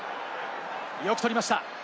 よく取りました。